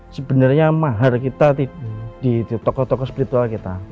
sebenarnya mahar kita di tokoh tokoh spiritual kita